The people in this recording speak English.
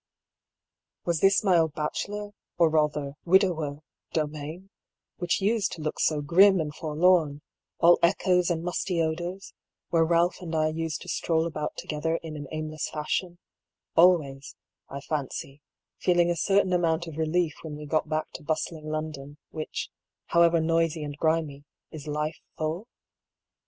Was this my old bachelor, or rather widower domain, which used to look so grim and forlorn, all echoes and musty odours, where Balph and I used to stroll about together in an aimless fashion, always, I fancy, feeling a certain amount of relief when we got back to bustling London, which, however noisy and grimy, is life full